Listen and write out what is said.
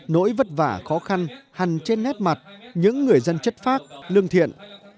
nỗi vất vả khó khăn hằn trên nát mặt những người dân chất phác lương thiện